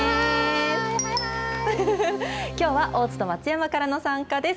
きょうは大津と松山からの参加です。